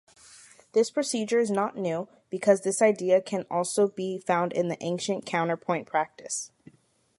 This procedure is not new, because this idea can also be found in the ancient counterpoint practice.